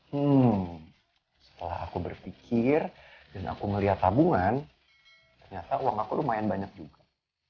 hmm setelah aku berpikir dan aku melihat tabungan ternyata uang aku lumayan banyak juga